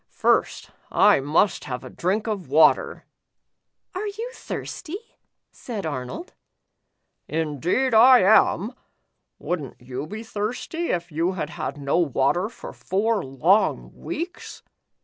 First, I must have a drink of water. " "Are you thirsty ?" said Arnold. 1 66 The Iron Doe. i>" Indeed, I am. Would n't you be thirsty, if you had had no water for four long weeks